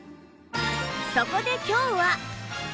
そこで今日は